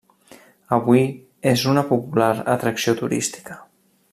Avui és una popular atracció turística.